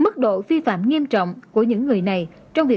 thì hiện tại theo tôi